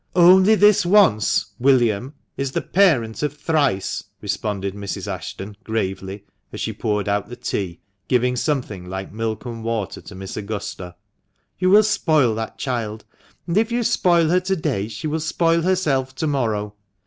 "'Only this once/ William, 'is the parent of thrice,'" responded Mrs. Ashton, gravely, as she poured out the tea, giving some thing like milk and water to Miss Augusta. "You will spoil that child ; and if you spoil her to day, she will spoil herself to morrow.